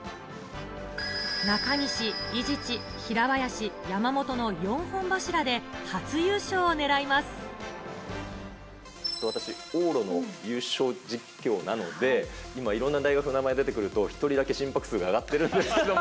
中西、伊地知、平林、私、往路の優勝実況なので、今、いろんな大学の名前が出てくると、１人だけ心拍数が上がってるんですけども。